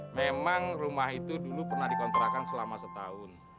memang rumah itu dulu pernah di kontrakan selama setahun